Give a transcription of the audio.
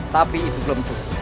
tapi itu beliau pun